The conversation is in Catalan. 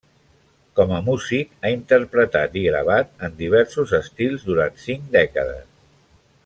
Com a músic, ha interpretat i gravat en diversos estils durant cinc dècades.